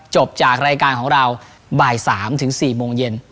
จบจากรายการของเราบ่าย๓ถึง๔โมงเย็น